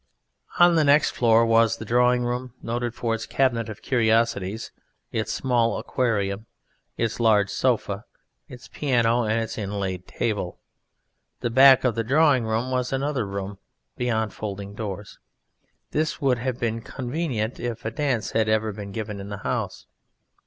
On the next floor was the Drawing room, noted for its cabinet of curiosities, its small aquarium, its large sofa, its piano and its inlaid table. The back of the drawing room was another room beyond folding doors. This would have been convenient if a dance had ever been given in the house.